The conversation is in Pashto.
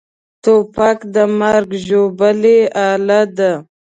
توپک د مرګ ژوبلې اله ده.